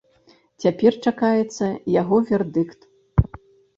Цяпер чакаецца яго вердыкт.